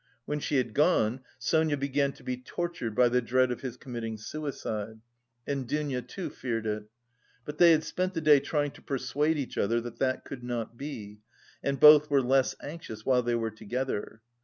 When she had gone, Sonia began to be tortured by the dread of his committing suicide, and Dounia too feared it. But they had spent the day trying to persuade each other that that could not be, and both were less anxious while they were together.